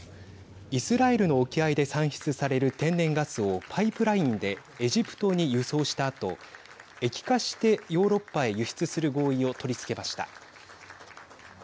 イスラエルの沖合で産出される天然ガスをパイプラインでエジプトに輸送したあと液化してヨーロッパへ輸出する合意を取り付けました。